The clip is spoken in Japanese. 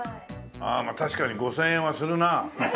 まあ確かに５０００円はするな。